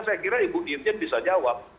saya kira ibu dirjen bisa jawab